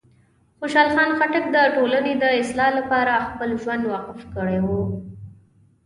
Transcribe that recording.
خوشحال خان خټک د ټولنې د اصلاح لپاره خپل ژوند وقف کړی و.